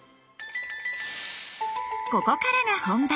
ここからが本番！